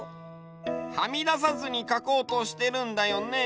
はみださずにかこうとしてるんだよね？